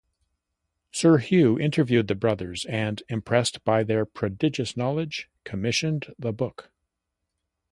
Sir Hugh interviewed the brothers and, impressed by their prodigious knowledge, commissioned the book.